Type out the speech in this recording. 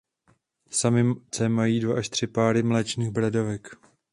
Samice mají dva až tři páry mléčných bradavek.